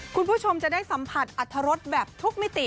คุณผู้ชมจะได้สัมผัสอัตรรสแบบทุกมิติ